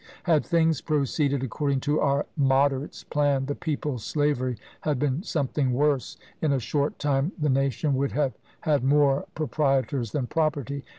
Had things proceeded according to our "Moderate's" plan, "the people's slavery" had been something worse. In a short time the nation would have had more proprietors than property.